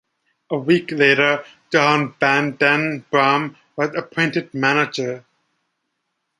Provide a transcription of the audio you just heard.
A week later, John van den Brom was appointed manager.